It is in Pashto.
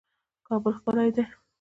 کابل ښکلی ده